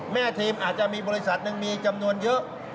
แม่ทีมอาจจะมีบริษัทหนึ่งมีจำนวนเยอะ